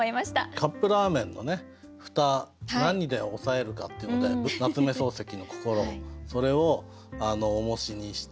カップラーメンの蓋何で押さえるかっていうので夏目漱石の「こころ」それをおもしにして。